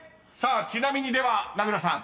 ［ちなみにでは名倉さん］